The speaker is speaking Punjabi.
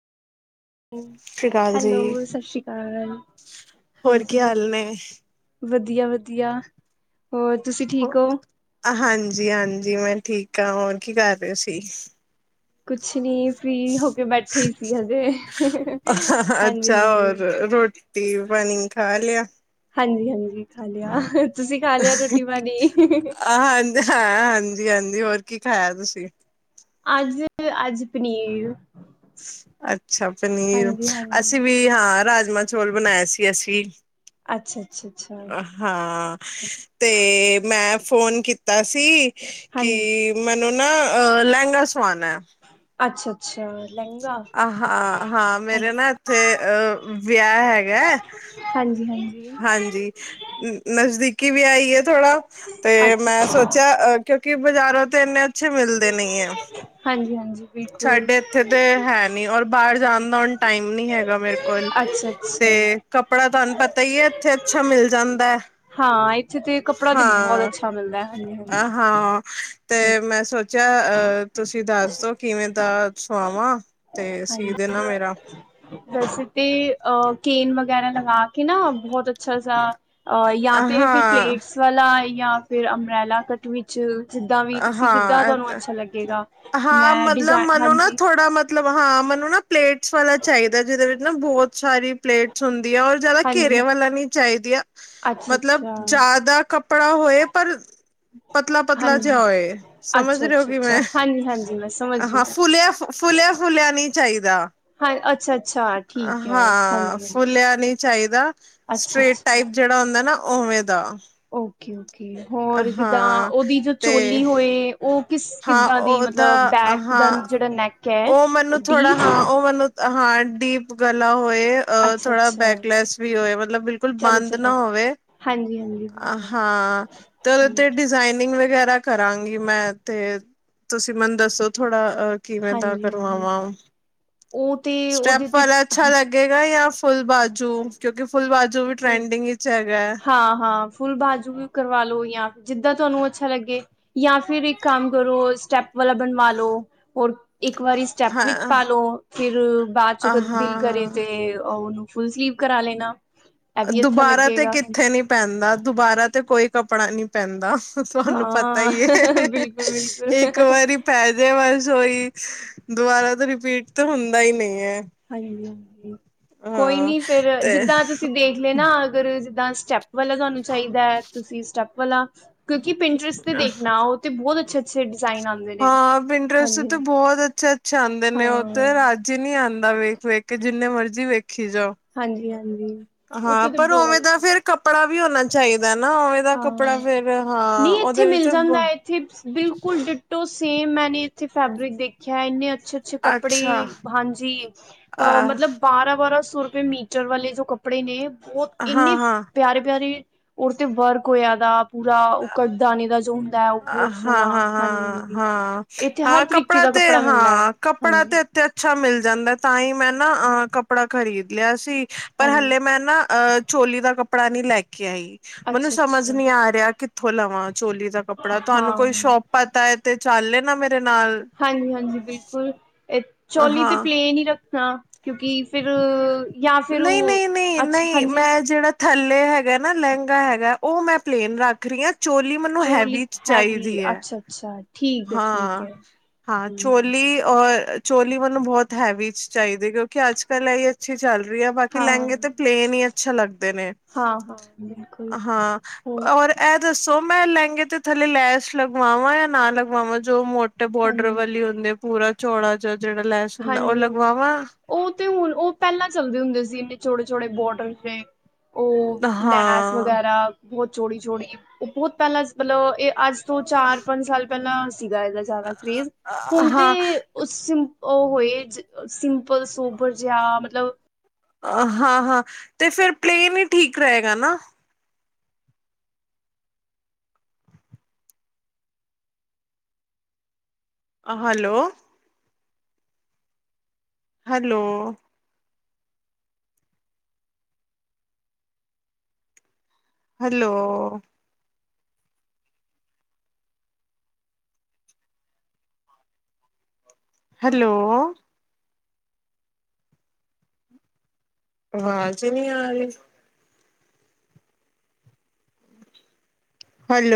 ਸਤਿ ਸ਼੍ਰੀ ਅਕਾਲ ਜੀ। ਹੈਲੋ। ਸਾਸ਼੍ਰੀ ਕਾਲ। ਹੋਰ ਕੀ ਹਾਂਜੀ। ਹਾਲ ਨੇ? ਵਧੀਆ-ਵਧੀਆ। ਹੋਰ ਤੁਸੀਂ ਠੀਕ ਓ? ਹਾਂਜੀ-ਹਾਂਜੀ ਮੈਂ ਠੀਕ ਆ। ਹੋਰ ਕੀ ਕਰ ਰਏ ਸੀ? ਕੁਛ ਨੀ ਫਰੀ ਹੋ ਕੇ ਬੈਠੇ ਈ ਸੀ ਹਜੇ। ਹਾਂਜੀ-ਹਾਂਜੀ। ਰੋਟ ਟੀ ਪਾਣੀ ਖਾ ਲਿਆ? ਹਾਂਜੀ-ਹਾਂਜੀ ਖਾ ਲਿਆ। ਤੁਸੀ‌ ਖਾ ਲਿਆ ਰੋਟੀ-ਪਾਣੀ? ਹਾਂ ਹਾਂਜੀ-ਹਾਂਜੀ ਹੋਰ ਕੀ ਖਾਇਆ ਤੁਸੀ? ਅੱਜ-ਅੱਜ ਪਨੀਰ। ਅੱਛਾ ਪਨੀਰ। ਹਾਂਜੀ ਹਾਂਜੀ ਅਸੀ ਵੀ ਹਾਂ ਰਾਜਮਾਂ ਚੋਲ ਬਨਾਏ ਸੀ ਅਸੀ। ਅੱਛਾ, ਅੱਛਾ, ਅੱਛਾ ਹਾਂ ਤੇ ਮੈਂ ਫੋਨ ਕੀਤਾ ਸੀ ਕਿ ਹਾਂਜੀ ਮੈਨੂੰ ਨਾ ਅ ਲੈਗਾਂ ਸਵਾਨਾ ਐ ਅੱਛਾ-ਅੱਛਾ ਲੈਂਗਾ ਆ ਹਾਂ-ਹਾਂ ਮੇਰੇ ਨਾ ਇੱਥੇ ਅ ਵਿਆਹ ਹੈਗਾ ਐ ਹਾਂਜੀ-ਹਾਂਜੀ ਹਾਂਜੀ ਨਜ਼ਦੀਕੀ ਵੀ ਆਈ ਐ ਥੋੜ੍ਹਾ ਤੇ ਅੱਛਾ ਮੈਂ ਅੱਛਾ ਸੋਚਿਆ ਅ ਕਿਉਂਕਿ ਬਾਜ਼ਾਰੋਂ ਤੇ ਇੰਨੇ ਅੱਛੇ ਮਿਲਦੇ ਨਈ ਐ। ਹਾਂਜੀ-ਹਾਂਜੀ ਸਾਡੇ ਇੱਥੇ ਤੇ ਹੈ ਨੀ ਔਰ ਬਾਰ ਜਾਨ ਦਾ ਹੁਣ ਟਾਈਮ ਨੀ ਹੈਗਾ ਮੇਰੇ ਕੋਲ ਅੱਛਾ ਅੱਛਾ ਤੇ ਕੱਪੜਾ ਤੁਆਨ ਪਤਾ ਇਏ ਇੱਥੇ ਅੱਛਾ ਮਿਲ ਜਾਂਦਾ ਐ ਹਾਂ ਇੱਥੇ ਤੇ ਕੱਪੜਾ ਤੇ ਬੋਤ ਅੱਛਾ ਮਿਲਦਾ ਐ ਹਾਂਜੀ, ਹਾ ਹਾਂ ਤੇ ਮੈਂ ਸੋਚਿਆ ਅ ਤੁਸੀਂ ਦੱਸ ਦੋ ਕਿਵੇਂ ਦਾ ਸੁਆਵਾਂ ਹਾਂਜੀ ਤੇ ਸੀ ਹਾਂਜੀ ਦੇਨਾ ਮੇਰਾ ਵੈਸੇ ਤੇ ਅ ਕੇਨ ਵਗੈਰਾ ਲਗਾ ਕੇ ਨਾ ਬਹੁਤ ਅੱਛਾ ਸਾ ਅ ਯਾ ਤੇ ਫਿਰ ਹਾਂ ਪਲੇਟਸ ਵਾਲਾ, ਯਾ ਫਿਰ ਅੰਬ੍ਰੈਲਾ ਕਟ ਵਿੱਚ ਜਿੱਦਾ ਵੀ ਤੁਸੀਂ ਜਿੱਦਾ ਹਾਂ ਤੁਆਨੂੰ ਅੱਛਾ ਲੱਗੇਗਾ ਹਾਂ ਮੈਂ ਮਤਲਬ ਡਿਜ਼ਾਇਨ ਮਨੂੰ ਨਾ ਹਾਂਜੀ ਥੋੜਾ ਮਤ ਮਤਲਬ ਹਾਂ ਮੈਨੂੰ ਨਾ ਪਲੇਟਸ ਵਾਲਾ ਚਾਈਦਾ ਜਿਦੇ ਵਿੱਚ ਨਾ ਬੋਤ ਸਾਰੀ ਪਲੇਟਸ ਹੁੰਦੀ ਆ ਔਰ ਜ਼ਿਆਦਾ ਹਾਂਜੀ ਘੇਰੇਆਂ ਵਾਲਾ ਨੀ ਚਾਈਦੀਆਂ ਅੱਛਾ ਮਤਲਬ ਅੱਛਾ ਜ਼ਾਦਾ ਕੱਪੜਾ ਹੋਏ ਪਰ ਪਤਲਾ-ਪਤਲਾ ਹਾਂਜੀ ਜੇਯਾ ਓਏ ਸਮਝ ਅੱਛਾ ਰਹੇ ਔ ਅੱਛਾ ਕਿ ਅੱਛਾ ਮੈਂ ਹਾਂਜੀ ਹਾਂਜੀ ਮੈਂ ਸਮਝ ਗਈ ਫੁੱਲਯਾ, ਫੁੱਲਿਆ, ਫੁੱਲਿਆ ਨੀ ਚਾਈਦਾ। ਹਾਂ ਅੱਛਾ ਅੱਛਾ ਠੀਕ ਹੈ ਹਾਂ ਹਾਂਜੀ ਹਾਂਜੀ ਫੁਲਿਆ ਨੀ ਚਾਈਦਾ ਅੱਛਾ ਸਟ੍ਰੇਟ ਅੱਛਾ ਟਾਈਪ ਜੇੜਾ ਹੁੰਦਾ ਨਾ ਓਵੇਂ ਦਾ ਓਕੇ, ਓਕੇ ਹੋਰ ਜਿੱਦਾਂ ਹਾਂ ਉਦੀ ਜੋ ਤੇ ਚੋਲੀ ਹੋਏ ਓ ਕਿਸ ਹਾਂ ਕਿੱਦਾਂ ਦੀ ਮਤਲਬ ਬੈਕ ਦਾ ਜੇੜਾ ਨੈਕ ਐ ਓ ਮੈਨੂੰ ਥੋੜਾ ਹਾਂ ਓ ਮੈਨੂੰ ਅ ਹਾਂ ਡੀਪ ਗਲਾ ਹੋਏ ਅ ਅੱਛਾ ਥੋੜਾ ਅੱਛਾ ਬੈਕਲੈਸ ਵੀ ਹੋਵੇ ਮਤਲਬ ਬਿਲਕੁਲ ਬੰਦ ਨਾ ਹੋਵੇ। ਹਾਂਜੀ-ਹਾਂਜੀ। ਹਾਂ ਓਦੇਤੇ ਡਿਜ਼ਾਈਨਿੰਗ ਵਗੈਰਾ ਕਰਾਂਗੀ ਮੈਂ ਤੇ, ਤੁਸੀਂ ਮੈਨੂੰ ਦੱਸੋ ਥੋੜਾ ਅਹ ਕੀ ਹੈ ਹਾਂਜੀ ਹਾਂਜੀ ਕਰਵਾਵਾਂ, ਉਹ ਤੇ ਉਹਦੇ ਸਟੈਪ ਤੇ ਵਾਲਾ ਅੱਛਾ ਲੱ ਗੇਗਾ ਜਾਂ ਫੁੱਲ ਬਾਜੂ, ਕਿਉਂਕਿ ਫੁੱਲ ਬਾਜੂ ਵੀ ਫੁੱਲ ਟਰੈਂਡਿੰਗ ਵਿੱਚ ਹੈਗਾ ਹੈ ਹਾਂ ਹਾਂ ਫੁੱਲ ਬਾਜੂ ਵੀ ਕਰਵਾ ਲਓ, ਜਾਂ ਜਿੱਦਾਂ ਤੁਹਾਨੂੰ ਅੱਛਾ ਲੱਗੇ ਜਾਂ ਫਿਰ ਇੱਕ ਕੰਮ ਕਰੋ, ਸਟੈਪ ਵਾਲਾ ਬਣਵਾ ਲੋ ਹੋਰ ਇੱਕ ਵਾਰੀ ਚੈਪ ਵਿੱਚ ਹਾਂ ਪਾਲੋ, ਫਿਰ ਬਾਅਦ ਚ ਕਦੇ ਦਿਲ ਕਰੇ ਹਾਂ ਤੇ ਉਹਨੂੰ ਫੁੱਲ ਸਲੀਵ ਕਰਾ ਲੈਣਾ ਇਹ ਵੀ ਅੱਛਾ ਦੁਬਾਰਾ ਤੇ ਲੱਗੇਗਾ ਹਾਂ ਕਿੱਥੇ ਨੀ ਪੈਂਦਾ, ਦੁਬਾਰਾ ਤੇ ਕੋਈ ਕੱਪੜਾ ਨੀ ਪੈਂਦਾ ਤੁਆਨੂੰ ਪਤਾਈ ਐਂ, ਬਿਲਕੁਲ ਇੱਕ ਬਿਲਕੁਲ ਵਾਰੀ ਪੈਜੇ ਵਸ ਔਈ, ਦੁਬਾਰਾ ਤੇ ਰਿਪੀਟ ਤੇ ਹੁੰਦਾ ਈ ਨੀ ਐ। ਹਾਂਜੀ ਹਾਂ, ਕੋਈ ਨੀ ਫੇਰ ਤੇ ਜਿੱਦਾਂ ਤੁਸੀਂ ਦੇਖ ਲੇਨਾ ਅਗਰ ਦਾਂ ਸਟੈਪ ਵਾਲਾ ਤੁਆਨੂੰ ਚਾਈਦਾ ਐ, ਤੁਸੀਂ ਸਟੈਪ ਵਾਲਾ ਕਿਉਂਕਿ ਪਿੰਟਰਸ ਤੇ ਦੇਖਨਾ ਉਹ ਤੇ ਬੋਤ ਅੱਛੇ-ਅੱਛੇ ਡਿਜ਼ਾਇਨ ਆਂਦੇ ਨੇ ਹਾਂਜੀ ਛਾਂਦੇ ਹਾਂ ਨੇ ਉ ਤੇ, ਰਜ ਹੀ ਨੀਂ ਆਂਦਾ ਵੇਖ-ਵੇਖ ਕੇ, ਜਿੰਨੇ ਮਰਜ਼ੀ ਵੇਖੀ ਜਾਓ ਹਾਂਜੀ, ਹਾਂਜੀ ਉੱਥੇ ਹਾਂ ਤੇ ਪਰ ਉਵੇਂ ਦਾ ਬਹੁਤ ਫਿਰ ਕੱਪੜਾ ਵੀ ਹੋਨਾ ਚਾਈਦਾ ਨਾ ਉਵੇਂ ਦਾ ਕੱਪੜਾ ਹਾਂ ਫੇਰ ਹਾਂ ਉਦੇ ਵਿੱਚ ਚਿਪਸ ਬਿਲਕੁਲ ਡਿਟੋ ਸੇਮ ਮੈਨੇ ਇੱਥੇ ਫੈਬਰਿਕ ਦੇਖਿਆ ਇੰਨੇ ਅੱਛ ਅੱਛੇ-ਅੱਛੇ ਕੱਪੜੇ ਅੱਛਾ ਹਾਂਜੀ, ਅ ਮਤਲਬ ਬਾਰਾਂ, ਬਾਰਾਂ ਸੌ ਰੁਪਏ ਮੀਟਰ ਵਾਲੇ ਜੋ ਕੱਪੜੇ ਨੇ, ਬੋਤ ਇੰਨੇ ਹਾਂ-ਹਾਂ ਪਿਆਰੇ-ਪਿਆਰੇ ਤੇ ਵਰਕ ਹੋਇਆ ਦਾ ਪੂਰਾ ਉਹ ਕਰ ਦਾਨਣੇ ਦਾ ਜੋ ਹੁੰਦਾ ਹੈ, ਉਹ ਹਾਂ, ਬਹੁਤ ਸੋਹਣਾ ਹਾਂ, ਹਾਂਜੀ ਹਾਂ, ਹਾਂਜੀ ਹਾਂ। ਇੱਥੇ ਹਾਂ ਹਰ ਤਰੀਕੇ ਕੀ ਦਾ ਤੇ ਕੱਪੜਾ ਮਿਲਦਾ ਹੈ ਹਾਂ ਕੱਪੜਾ ਹਾਂਜੀ ਤੇ ਅੱਛਾ ਮਿਲ ਜਾਂਦਾ, ਤਾਂ ਹੀ ਮੈਂ ਨਾ ਅਹ ਕੱਪੜਾ ਖ਼ਰੀਦ ਲਿਆ ਸੀ ਪਰ ਹਾਂਜੀ ਹਲੇ ਮੈਂ ਨਾ ਅ, ਚੋਲੀ ਦਾ ਕੱਪੜਾ ਨਹੀਂ ਲੈ ਕੇ ਆਈ ਮੈਨੂੰ ਅੱਛਾ ਸਮਝ ਅੱਛਾ ਨੀ ਆ ਰਿਹਾ ਕਿੱਥੋਂ ਲਵਾਂ ਚੋਲੀ ਦਾ ਕੱਪੜਾ, ਤੁਹਾਨੂੰ ਕੋਈ ਹਾਂ ਸ਼ੋਪ ਪਤਾ ਹੈ ਤੇ ਚੱਲੇ ਨਾ ਮੇਰੇ ਨਾਲ ਹਾਂਜੀ ਹਾਂਜੀ ਬਿਲਕੁਲ, ਚੋਲੀ ਤਾਂ ਹਾਂ। ਪਲੇਨ ਹੀ ਰੱਖਣਾ ਕਿਉਂਕਿ ਫਿਰ ਜਾਂ ਫਿਰ ਨਹੀਂ ਉਹ ਨਹੀਂ ਨਹੀਂ ਅੱਛਾ ਨਹੀਂ ਹਾਂਜੀ ਮੈਂ ਜਿਹੜਾ ਥੱਲੇ ਹੈਗਾ ਨਾ ਲਹਿੰਗਾ ਹੈਗਾ, ਉਹ ਮੈਂ ਪਲੇਨ ਰੱਖ ਰਹੀ ਹਾਂ ਚੋਲੀ ਮੈਨੂੰ ਚੋਲੀ ਹੈਵੀ ਚ ਹੈਵੀ ਚਾਹੀਦੀ ਹੈ, ਅੱਛਾ-ਅੱਛਾ ਠੀਕ ਹੈ ਠੀਕ ਹਾਂ ਹੈ। ਹਾਂ ਹਾਂਜੀ-ਹਾਂਜੀ। ਚੋਲੀ ਔਰ ਚੋਲੀ ਮੈਂਨੂੰ ਬਹੁਤ ਹੈਵੀ ਚਾਹੀਦੀ, ਕਿਉਂਕਿ ਅੱਜ ਕੱਲ ਇਹ ਅੱਛੀ ਚੱਲ ਰਹੀ ਐ, ਬਾਕੀ ਲਹਿੰਗੇ ਤੇ ਪਲੇਨ ਹੀ ਅੱਛਾ ਲੱਗਦੇ ਨੇ ਹਾਂ ਹਾਂ ਬਿਲਕੁਲ ਹਾਂ ਹੋਰ ਔਰ ਇਹ ਦੱਸੋ ਮੈਂ ਲਹਿੰਗੇ ਤੇ ਥੱਲੇ ਲੈਸ਼ ਲਗਵਾਵਾਂ ਜਾਂ ਨਾ ਲਗਵਾਵਾਂ, ਜੋ ਮੋ ਬੋਰਡਰ ਹਾਂਜੀ। ਵਾਲੀ ਹੁੰਦੇ ਆ, ਪੂਰਾ ਚੌਲਾ ਜਿਹਾ ਜਿਹੜਾ ਲੈਸ ਹੁੰਦਾ ਉਹ ਹਾਂਜੀ ਹਾਂਜੀ, ਲਗਵਾਵਾਂ ਉਹ ਤੇ ਹੁਣ ਉਹ ਪਹਿਲਾਂ ਚੱਲਦੇ ਹੁੰਦੇ ਸੀ, ਇਨੇ ਛੋੜੇ ਛੋੜੇ ਬੋਡਰ ਨੇ ਉਹ ਲੈਸ ਹਾਂ ਵਗੈਰਾ ਬਹੁਤ ਛੋੜੀ ਛੋੜੀ, ਉਹ ਬਹੁਤ ਪਹਿਲਾਂ ਮਤਲਬ ਇਹ ਅੱਜ ਤੋਂ ਚਾਰ ਪੰਜ ਸਾਲ ਪਹਿਲਾਂ ਸੀਗਾ, ਇਹਦਾ ਜ਼ਿਆਦਾ ਕਰੇਜ, ਹੁਣ ਤੇ ਹਾਂ ਉਸ ਉਹ ਹੋਏ, ਸਿੰਪਲ ਸੋਬਰ ਜਿਹਾ, ਮਤਲਬ ਹਾਂ ਹਾਂ, ਤੇ ਫਿਰ ਪਲੇਨ ਹੀ ਠੀਕ ਰਹੇਗਾ ਨਾ ਹੈਲੋ ਹੈਲੋ ਹੈਲੋ ਹੈਲੋ ਆਵਾਜ਼ ਈ ਨਹੀਂ ਆ ਰਹੀ। ਹੈਲੋ